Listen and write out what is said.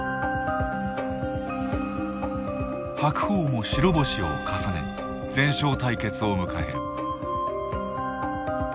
白鵬も白星を重ね全勝対決を迎える。